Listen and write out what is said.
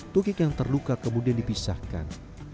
tukik yang terluka kemudian dipisahkan